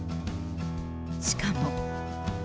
しかも。